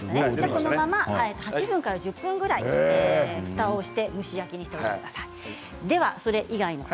このまま８分から１０分ぐらいふたをして蒸し焼きにしてください